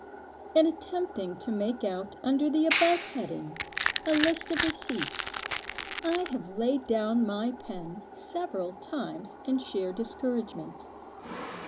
IN attempting to make out under the above heading, a list of receipts, I have laid down my pen several times in sheer discouragement.